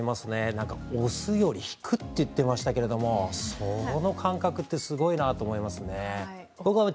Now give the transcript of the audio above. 何かを押すより引くって言ってましたけれどもその感覚ってすごいなと思いますね